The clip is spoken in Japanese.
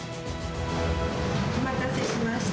お待たせしました。